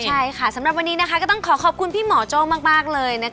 ใช่ค่ะสำหรับวันนี้นะคะก็ต้องขอขอบคุณพี่หมอโจ้งมากเลยนะคะ